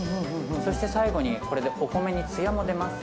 そして最後にこれでお米にツヤも出ます。